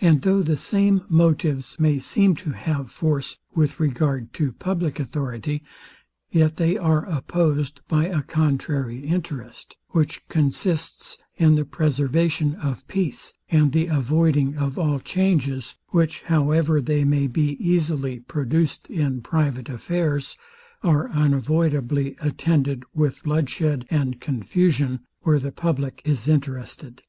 And though the same motives may seem to have force, with regard to public authority, yet they are opposed by a contrary interest; which consists in the preservation of peace, and the avoiding of all changes, which, however they may be easily produced in private affairs, are unavoidably attended with bloodshed and confusion, where the public is interested.